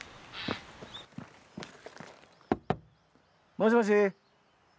もしもし？